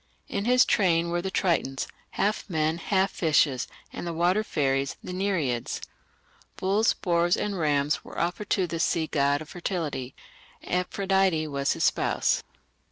In his train were the Tritons, half men, half fishes, and the water fairies, the Nereids. Bulls, boars, and rams were offered to this sea god of fertility. Amphitrite was his spouse.